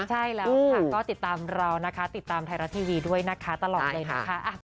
ใช่แล้วค่ะก็ติดตามเรานะคะติดตามไทยรัฐทีวีด้วยนะคะตลอดเลยนะคะ